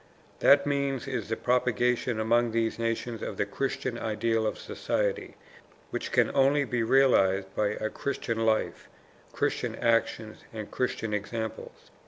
That means is the propagation among these nations of the Christian ideal of society, which can only be realized by a Christian life, Christian actions, and Christian examples.